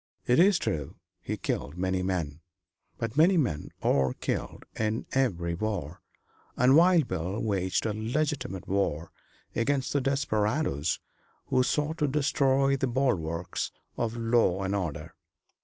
It is true he killed many men, but many men are killed in every war, and Wild Bill waged a legitimate war against the desperadoes who sought to destroy the bulwarks of law and order.